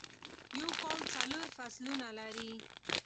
یو کال څلور فصلونه لری